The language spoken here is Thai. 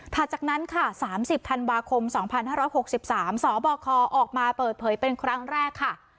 จากนั้นค่ะ๓๐ธันวาคม๒๕๖๓สบคออกมาเปิดเผยเป็นครั้งแรกค่ะ